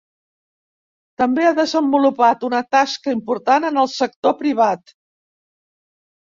També ha desenvolupat una tasca important en el sector privat.